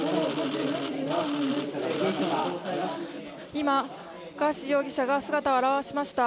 今、ガーシー容疑者が姿を現しました。